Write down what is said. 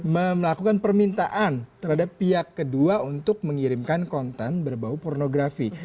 melakukan permintaan terhadap pihak kedua untuk mengirimkan konten berbau pornografi